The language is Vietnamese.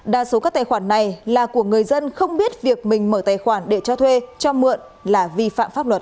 đa số các tài khoản này là của người dân không biết việc mình mở tài khoản để cho thuê cho mượn là vi phạm pháp luật